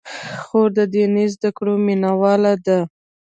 خور د دیني زدکړو مینه واله ده.